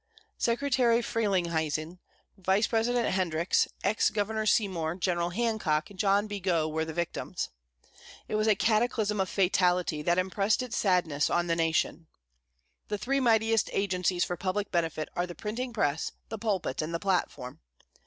Secretary Frelinghuysen, Vice president Hendricks, ex Governor Seymour, General Hancock, and John B. Gough were the victims. It was a cataclysm of fatality that impressed its sadness on the nation. The three mightiest agencies for public benefit are the printing press, the pulpit, and the platform.